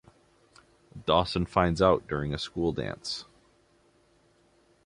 Dawson finds out during a school dance.